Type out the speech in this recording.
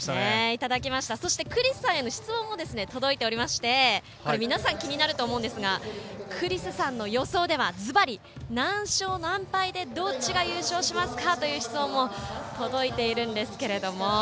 そして、クリスさんへの質問も届いておりまして皆さん気になるかと思いますがクリスさんの予想ではずばり、何勝何敗でどっちが優勝しますかという質問が届いています。